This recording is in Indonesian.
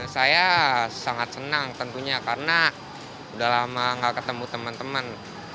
saya sangat senang tentunya karena udah lama gak ketemu teman teman